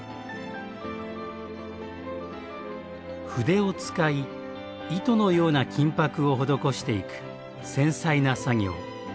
筆を使い糸のような金箔を施していく繊細な作業。